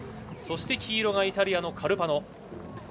そして黄色がイタリアのカルパノ。